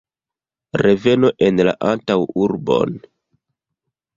Reveno en la antaŭurbon.